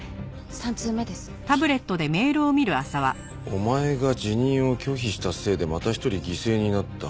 「お前が辞任を拒否したせいでまた一人犠牲になった」